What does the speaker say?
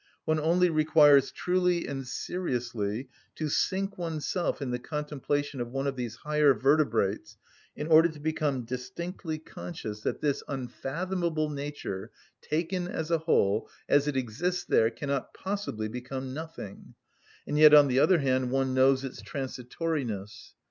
One only requires truly and seriously to sink oneself in the contemplation of one of these higher vertebrates in order to become distinctly conscious that this unfathomable nature, taken as a whole, as it exists there, cannot possibly become nothing; and yet, on the other hand, one knows its transitoriness.